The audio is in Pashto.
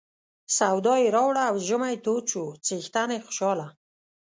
سودا یې راوړه او ژمی تود شو څښتن یې خوشاله.